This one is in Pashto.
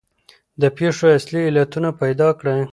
د پېښو اصلي علتونه پیدا کړئ.